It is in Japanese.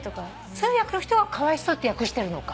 通訳の人が「かわいそう」って訳してるのか。